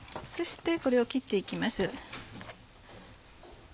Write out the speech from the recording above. そしてこれを切って行きます。